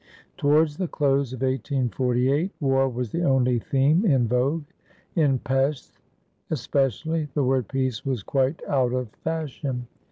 Towards the close of 1848, war was the only theme in vogue. In Pesth, especially, the word peace was quite out of fashion.